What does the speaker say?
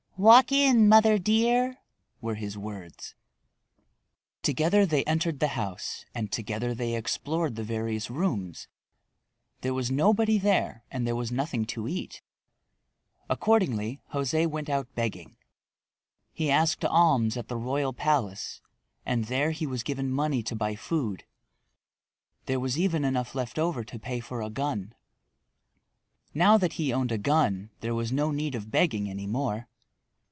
"Walk in, mother dear," were his words. Together they entered the house and together they explored the various rooms. There was nobody there and there was nothing to eat. Accordingly, José went out begging. He asked alms at the royal palace and there he was given money to buy food. There was even enough left over to pay for a gun. Now that he owned a gun there was no need of begging any more.